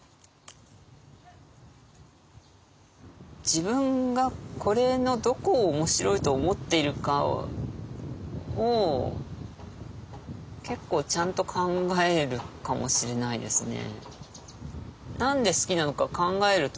自分がこれのどこを面白いと思っているかを結構ちゃんと考えるかもしれないですね。